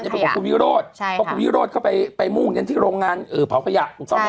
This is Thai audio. เพราะคุณวิโรธเข้าไปมุ่งที่โรงงานเผาขยะ